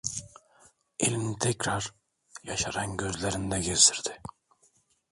Elini tekrar yaşaran gözlerinde gezdirdi: